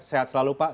sehat selalu pak